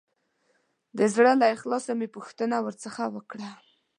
د زړه له اخلاصه مې پوښتنه ورڅخه وکړه.